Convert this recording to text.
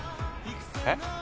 えっ？